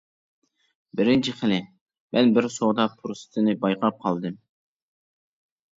بىرىنچى خىلى، مەن بىر سودا پۇرسىتىنى بايقاپ قالدىم.